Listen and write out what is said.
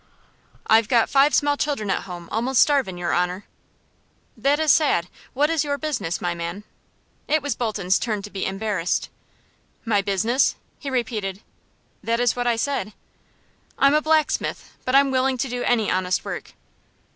"I've got five small children at home almost starvin', your honor." "That is sad. What is your business, my man?" It was Bolton's turn to be embarrassed. "My business?" he repeated. "That is what I said." "I'm a blacksmith, but I'm willing to do any honest work."